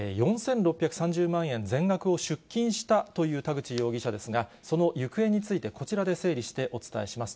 ４６３０万円全額を出金したという田口容疑者ですが、その行方について、こちらで整理してお伝えします。